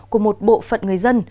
của một bộ phận người dân